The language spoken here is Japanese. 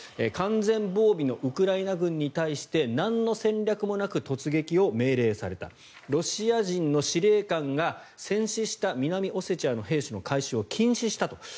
完全防備のウクライナ軍に対してなんの戦略もなく突撃を命令されたロシア人の司令官が戦死した南オセチアの兵士の回収を禁止したと。